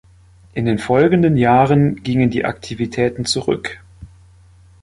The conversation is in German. In den folgenden Jahren gingen die Aktivitäten zurück.